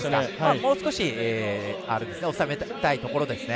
もう少し抑えたいところですね。